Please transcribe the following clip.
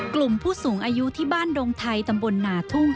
กลุ่มผู้สูงอายุที่บ้านดงไทยตำบลนาทุ่ง